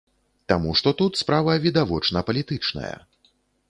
Таму што тут справа відавочна палітычная.